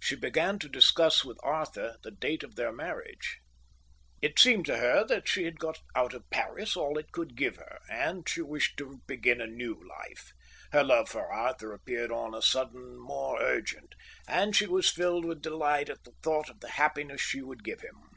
She began to discuss with Arthur the date of their marriage. It seemed to her that she had got out of Paris all it could give her, and she wished to begin a new life. Her love for Arthur appeared on a sudden more urgent, and she was filled with delight at the thought of the happiness she would give him.